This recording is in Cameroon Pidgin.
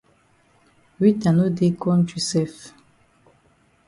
Rita no dey kontri sef.